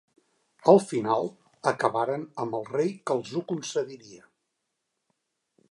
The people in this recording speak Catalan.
Al final acabaren amb el rei que els ho concediria.